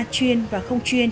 chuyên và không chuyên